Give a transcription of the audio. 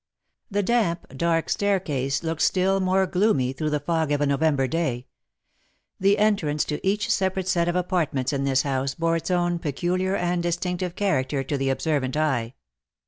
The damp, dark staircase looked still more gloomy through the fog of a November day. The entrance to each separate set of apartments in this house bore its own peculiar and distinctive character to the observant eye.